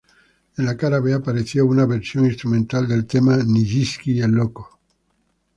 En la cara B apareció una versión instrumental del tema "Nijinsky el loco".